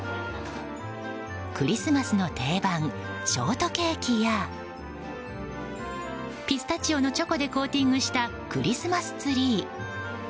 クリスマスの定番ショートケーキやピスタチオのチョコでコーティングしたクリスマスツリー。